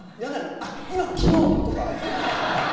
あっ今の昨日！とか。